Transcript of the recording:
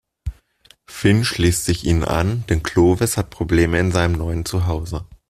Finn schließt sich ihnen an, denn Clovis hat Probleme in seinem neuen Zuhause.